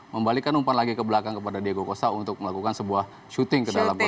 membalikkan umpan lagi ke belakang kepada diego costa untuk melakukan sebuah shooting ke dalam